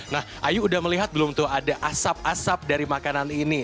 nah ayu udah melihat belum tuh ada asap asap dari makanan ini